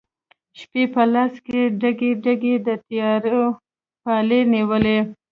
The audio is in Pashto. شپي په لاس کې ډکي، ډکي، د تیارو پیالې نیولي